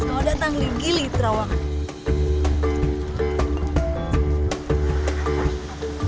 kalau datang di gili terawangan